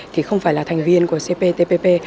thì không phải là thành viên của cptpp